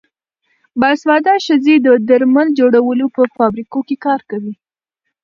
باسواده ښځې د درمل جوړولو په فابریکو کې کار کوي.